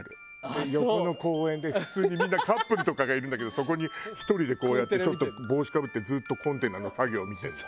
で横の公園で普通にみんなカップルとかがいるんだけどそこに１人でこうやってちょっと帽子かぶってずっとコンテナの作業見てるの。